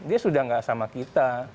dia sudah nggak sama kita